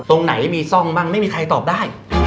ตรงไหนมีซ่องบ้างไม่มีใครตอบได้